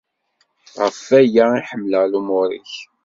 Ɣef waya i ḥemmleɣ lumuṛ-ik.